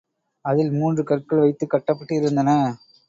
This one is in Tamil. அதில் மூன்று கற்கள் வைத்துக் கட்டப்பட்டிருந்தன.